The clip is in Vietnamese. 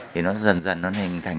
thì nó dần dần nó hình thành